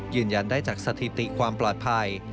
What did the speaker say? ยืนยันได้จากสถิติความปลอดภัย